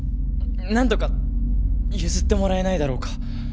何とか譲ってもらえないだろうか？